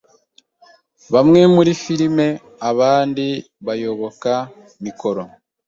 Bamwe muri Filime, abandi bayoboka mikoro